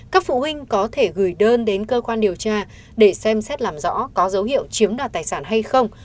các phụ huynh có thể gửi đơn đến cơ quan điều tra để xem xét làm rõ có dấu hiệu chiếm đoạt tài sản hay không